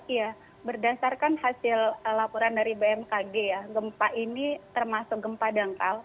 iya berdasarkan hasil laporan dari bmkg ya gempa ini termasuk gempa dangkal